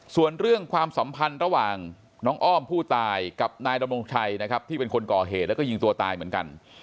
ส่วนเรื่องความสัมพันธ์ระหว่างน้องอ้อมผู้ตายกับนายดำรงชัยนะครับที่เป็นคนก่อเหตุแล้วก็ยิงตัวตายเหมือนกัน